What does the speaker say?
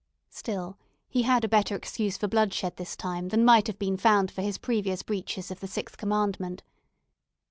Still, he had a better excuse for bloodshed this time than might have been found for his previous breaches of the sixth commandment.